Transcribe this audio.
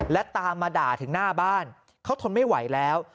และตามมาด่าถึงหน้าบ้านเขาทนไม่ไหวแล้ว